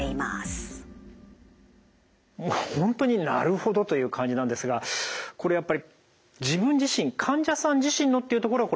もうほんとになるほどという感じなんですがこれやっぱり自分自身患者さん自身のっていうところが大事なポイントなんでしょうか？